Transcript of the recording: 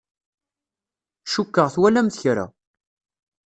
Cukkeɣ twalamt kra.